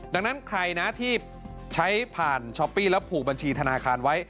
ดังนั้นใครนะที่ใช้ผ่านช้อปปี้แล้วผูกบัญชีธนาคารไว้